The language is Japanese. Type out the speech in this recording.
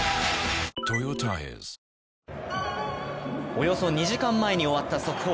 およそ２時間前に終わった速報。